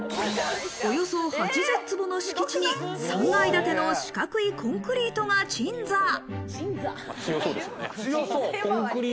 およそ８０坪の敷地に３階建ての四角いコンクリートが鎮座。